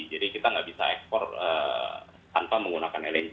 jadi kita tidak bisa ekspor tanpa menggunakan lng